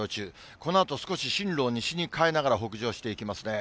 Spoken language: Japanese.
このあと少し進路を西に変えながら北上していきますね。